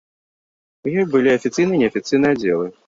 У ёй былі афіцыйны і неафіцыйны аддзелы.